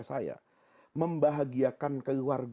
saya bisa membahagiakan keluarga